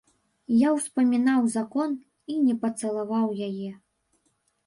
Я ўспамінаў закон і не пацалаваў яе.